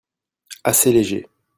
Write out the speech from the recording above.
Assez léger.